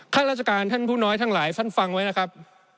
ข้าราชการท่านผู้น้อยทั้งหลายท่านฟังไว้นะครับ